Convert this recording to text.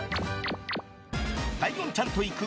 ライオンちゃんと行く！